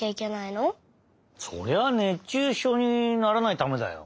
そりゃあ熱中症にならないためだよ。